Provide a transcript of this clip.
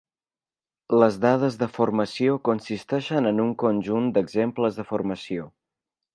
Les dades de formació consisteixen en un conjunt d'"exemples de formació".